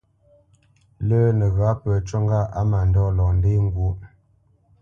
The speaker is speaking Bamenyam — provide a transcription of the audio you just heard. Lə́ nəghǎ pə ncû ŋgâʼ á mândɔ̂ lɔ ndê ŋgwóʼ.